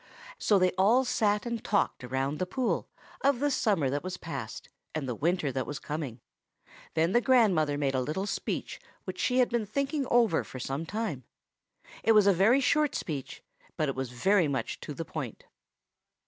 So they all sat and talked around the pool, of the summer that was past and the winter that was coming. Then the grandmother made a little speech which she had been thinking over for some time. It was a very short speech; but it was very much to the point.